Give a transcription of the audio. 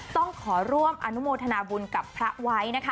ต้องขอร่วมอนุโมทนาบุญกับพระไว้นะคะ